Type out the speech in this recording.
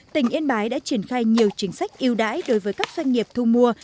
tỉnh yên bái đã triển khai nhiều chính sách yêu đáy đối với các doanh nghiệp thu mua